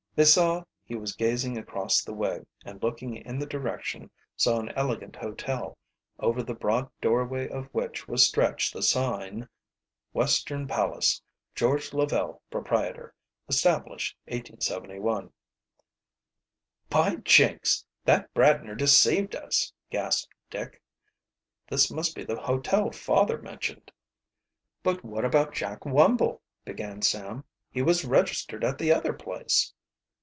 They saw he was gazing across the way, and looking in the direction saw an elegant hotel, over the broad doorway of which was stretched the sign: WESTERN PALACE GEORGE LAVELLE, Proprietor. Established 1871. "By jinks! That Bradner deceived us!" gasped Dick. "This must be the hotel father mentioned." "But what about Jack Wumble?" began Sam. "He was registered at the other place."